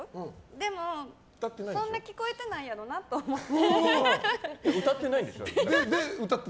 でもそんな聞こえてないやろなと思って。